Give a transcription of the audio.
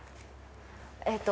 えっと。